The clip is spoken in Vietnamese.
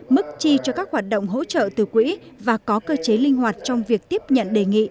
mức chi cho các hoạt động hỗ trợ từ quỹ và có cơ chế linh hoạt trong việc tiếp nhận đề nghị